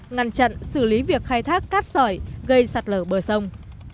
ngăn chặn xử lý việc khai thác cát sỏi gây sạt lở bờ sông